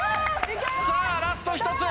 さあラスト１つ！